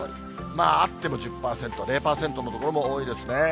まああっても１０％、０％の所も多いですね。